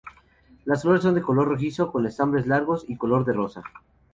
Las flores son de color rojizo, con estambres largos y color de rosa.